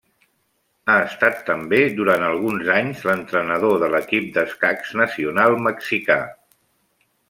Ha estat també durant alguns anys l'entrenador de l'equip d'escacs nacional mexicà.